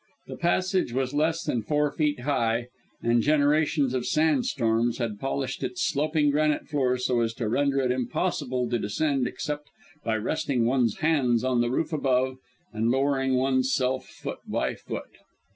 The passage was less than four feet high, and generations of sand storms had polished its sloping granite floor so as to render it impossible to descend except by resting one's hands on the roof above and lowering one's self foot by foot.